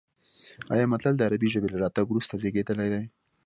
ایا متل د عربي ژبې له راتګ وروسته زېږېدلی دی